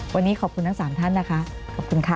วันนี้ขอบคุณทั้ง๓ท่านนะคะขอบคุณค่ะ